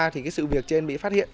thì cái sự việc trên bị phát hiện